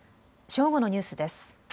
正午のニュースです。